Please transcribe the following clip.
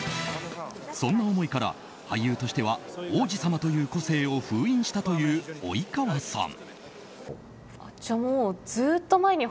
そんな思いから俳優としては王子様という個性を封印したという及川さん。